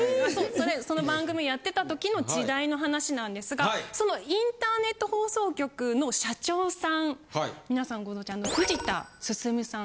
そうその番組やってた時の時代の話なんですがそのインターネット放送局の社長さん皆さんご存じ藤田晋さん。